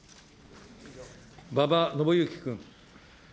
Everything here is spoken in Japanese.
馬場伸幸君。